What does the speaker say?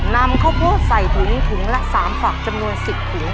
นำข้าวโพดใส่ถุงถุงละ๓ฝักจำนวน๑๐ถุง